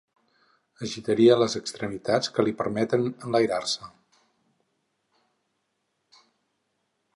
Agitaria les extremitats que li permeten enlairar-se.